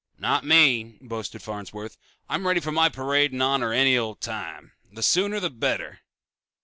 "Not me," boasted Farnsworth. "I'm ready for a parade in my honor any old time. The sooner the better."